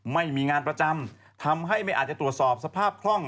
ไม่มีงานประจำทำให้ไม่อาจจะตรวจสอบสภาพคล่อง